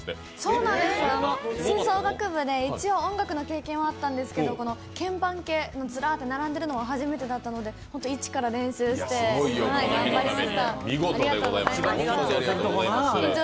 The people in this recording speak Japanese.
そうなんですよ、吹奏楽部で一応、音楽の経験はあったんですけど鍵盤系、ずらっと並んでるのは初めてだったのでイチから練習して頑張りました。